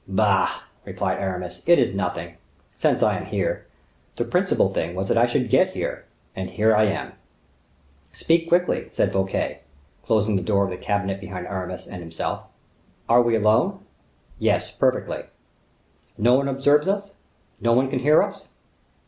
"Bah!" replied Aramis, "it is nothing, since I am here; the principal thing was that I should get here, and here I am." "Speak quickly," said Fouquet, closing the door of the cabinet behind Aramis and himself. "Are we alone?" "Yes, perfectly." "No one observes us?—no one can hear us?"